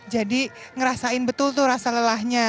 jadi ngerasain betul tuh rasa lelahnya